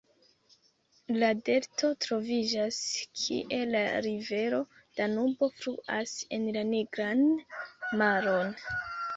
La delto troviĝas, kie la rivero Danubo fluas en la Nigran maron.